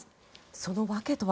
その訳とは。